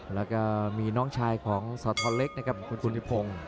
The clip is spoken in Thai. แล้วก็มีน้องชายของสทเล็กนะครับคุณสุนิพงศ์